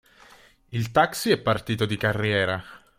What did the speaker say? Il taxi è partito di carriera.